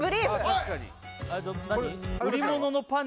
確かに何？